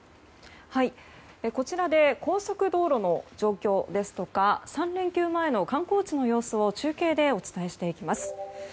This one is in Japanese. こちらで高速道路の状況ですとか３連休前の観光地の様子を中継でお伝えしていきます。